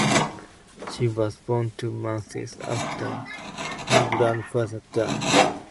She was born two months after her grandfather died.